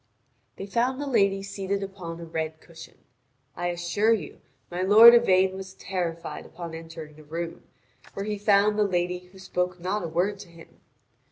They found the lady seated upon a red cushion. I assure you my lord Yvain was terrified upon entering the room, where he found the lady who spoke not a word to him.